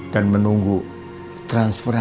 dan menunggu transferasi